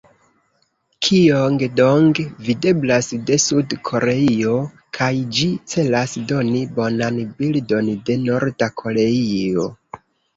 Kijong-dong videblas de Sud-Koreio kaj ĝi celas doni bonan bildon de Norda Koreio.